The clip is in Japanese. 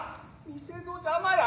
店の邪魔や。